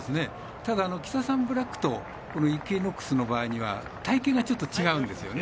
ただ、キタサンブラックとイクイノックスの場合には体形がちょっと違うんですよね。